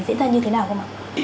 diễn ra như thế nào không ạ